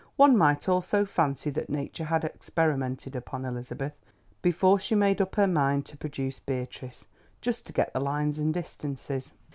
One might almost fancy that nature had experimented upon Elizabeth before she made up her mind to produce Beatrice, just to get the lines and distances.